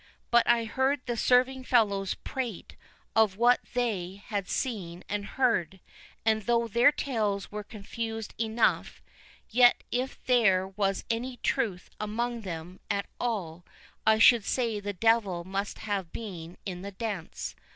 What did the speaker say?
But I heard the serving fellows prate of what they had seen and heard; and though their tales were confused enough, yet if there was any truth among them at all, I should say the devil must have been in the dance.